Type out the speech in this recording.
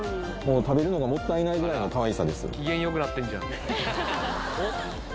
食べるのがもったいないぐらいのかわいさです